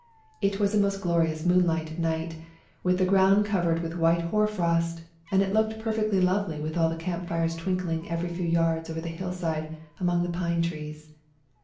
It was a most glorious moonlight night, with the ground covered with white hoar frost, and it looked perfectly lovely with all the camp fires twinkling every few yards over the hillside among the pine trees.